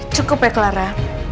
cukup ya clara